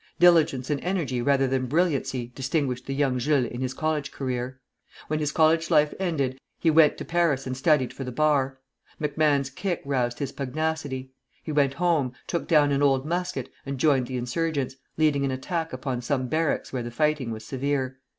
Diligence and energy rather than brilliancy distinguished the young Jules in his college career. When his college life ended, he went up to Paris and studied for the Bar. MacMahon's kick roused his pugnacity. He went home, took down an old musket, and joined the insurgents, leading an attack upon some barracks where the fighting was severe.